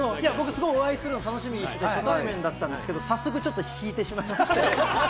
お会いするの楽しみにしてて、初対面だったんですけど、早速ひいてしまいました。